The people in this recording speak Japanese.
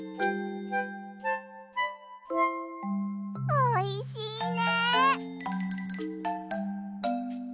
おいしいね！